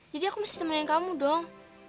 jadi aku mesti temenin kamu dong